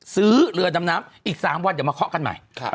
ซื้อเรือดำน้ำอีก๓วันเดี๋ยวมาเคาะกันใหม่